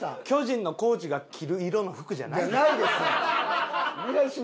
巨人のコーチが着る色の服じゃない。